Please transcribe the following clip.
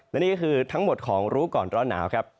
และนี่ก็คือทั้งหมดของรู้ก่อนร้อนหนาวครับ